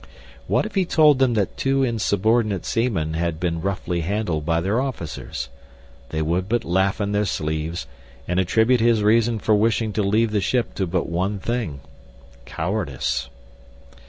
What if he told them that two insubordinate seamen had been roughly handled by their officers? They would but laugh in their sleeves and attribute his reason for wishing to leave the ship to but one thing—cowardice.